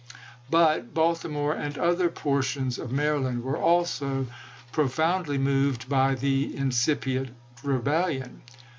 But Baltimore and other portions of Maryland were also profoundly moved by the incipient rebel lion.